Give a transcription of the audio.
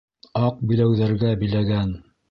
Аҡ биләүҙәргә биләгән